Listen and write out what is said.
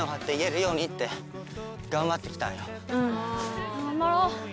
うん頑張ろう。